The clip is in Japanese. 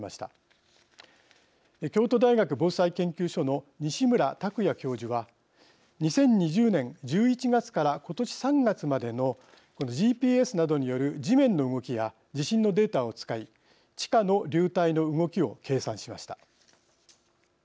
京都大学防災研究所の西村卓也教授は２０２０年１１月から今年３月までのＧＰＳなどによる地面の動きや地震のデータを使い地下の流体の動きを計算しました。